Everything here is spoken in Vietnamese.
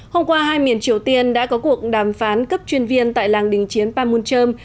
hôm qua hai miền triều tiên đã có cuộc đàm phán cấp chuyên viên tại làng đỉnh chiến pamuncham